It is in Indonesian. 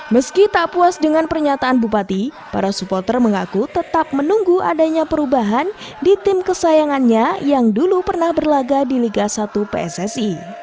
meski tak puas dengan pernyataan bupati para supporter mengaku tetap menunggu adanya perubahan di tim kesayangannya yang dulu pernah berlaga di liga satu pssi